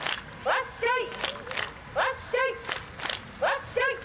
わっしょい。